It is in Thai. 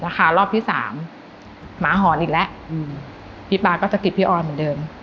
รอบที่สามหมาหอนอีกแล้วพี่ป๊าก็สะกิดพี่ออนเหมือนเดิม